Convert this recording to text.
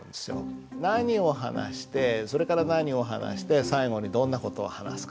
何を話してそれから何を話して最後にどんな事を話すか。